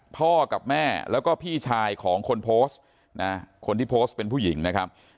พ่อกับแม่แล้วก็พี่ชายของคนโพสต์นะคนที่โพสต์เป็นผู้หญิงนะครับ